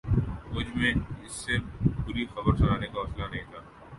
مجھ میں اسے بری خبر سنانے کا حوصلہ نہ تھا